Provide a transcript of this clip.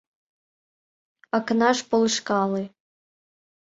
Акнаш, полышкале!